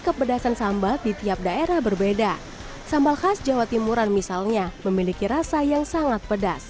kepedasan sambal di tiap daerah berbeda sambal khas jawa timuran misalnya memiliki rasa yang sangat pedas